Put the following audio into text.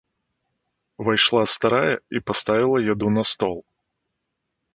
Увайшла старая і паставіла яду на стол.